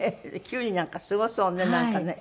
きゅうりなんかすごそうねなんかね。